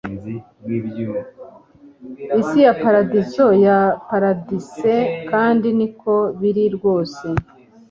Isi ya paradizo ya Paradise kandi niko biri rwose